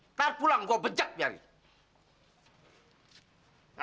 ntar pulang gue bejak biarin